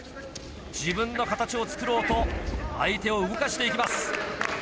自分の形をつくろうと相手を動かしていきます。